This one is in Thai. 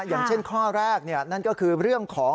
อย่างเช่นข้อแรกนั่นก็คือเรื่องของ